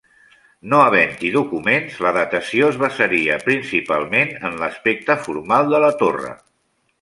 No havent-hi documents, la datació es basaria principalment en l’aspecte formal de la torre.